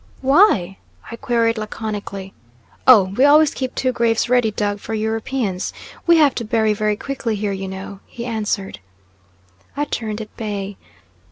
"Why?" I queried laconically. "Oh! we always keep two graves ready dug for Europeans. We have to bury very quickly here, you know," he answered. I turned at bay.